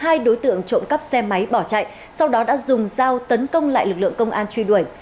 hai đối tượng trộm cắp xe máy bỏ chạy sau đó đã dùng dao tấn công lại lực lượng công an truy đuổi